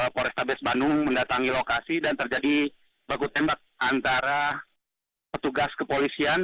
polrestabes bandung mendatangi lokasi dan terjadi baku tembak antara petugas kepolisian